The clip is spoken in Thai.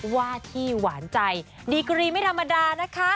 ว่าที่หวานใจดีกรีไม่ธรรมดานะคะ